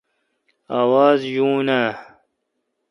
آواز یوین اؘ